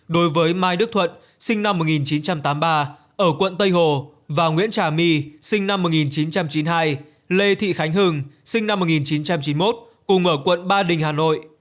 đối với mai đức thuận sinh năm một nghìn chín trăm tám mươi ba ở quận tây hồ và nguyễn trà my sinh năm một nghìn chín trăm chín mươi hai lê thị khánh hưng sinh năm một nghìn chín trăm chín mươi một cùng ở quận ba đình hà nội